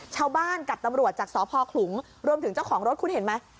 ชาวบ้านกับตำรวจจากสพขลุงรวมถึงเจ้าของรถคุณเห็นไหม